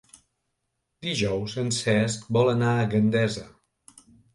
Dijous en Cesc vol anar a Gandesa.